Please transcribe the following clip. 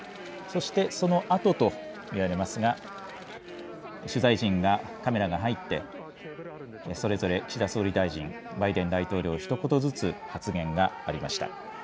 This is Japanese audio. そして、そのあとと見られますが取材陣が、カメラが入っってそれぞれ岸田総理大臣、バイデン大統領ひと言ずつ発言がありました。